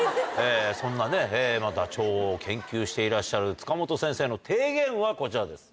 そんなダチョウを研究していらっしゃる塚本先生の提言はこちらです。